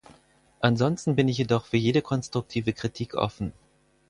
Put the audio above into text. Ansonsten bin ich jedoch für jede konstruktive Kritik offen.